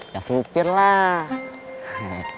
ya supir lah